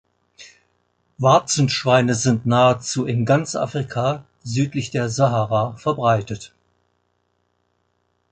Warzenschweine sind nahezu in ganz Afrika südlich der Sahara verbreitet.